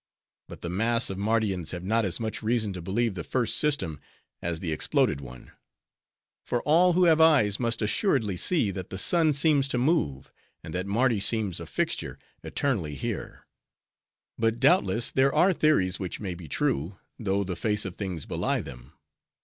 But the mass of Mardians have not as much reason to believe the first system, as the exploded one; for all who have eyes must assuredly see, that the sun seems to move, and that Mardi seems a fixture, eternally here. But doubtless there are theories which may be true, though the face of things belie them.